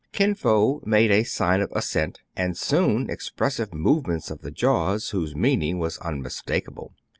Kin Fo made a sign of assent, and Soun expres sive movements of the jaws, whose meaning was unmistakable.